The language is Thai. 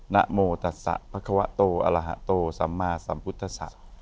นอมโมตัสสะภัคควะโตอรหะโตสัมมาสัมพุทธศะ